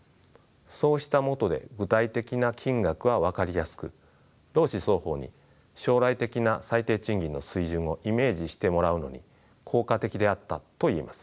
そうしたもとで具体的な金額は分かりやすく労使双方に将来的な最低賃金の水準をイメージしてもらうのに効果的であったと言えます。